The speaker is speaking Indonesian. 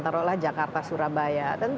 taruhlah jakarta surabaya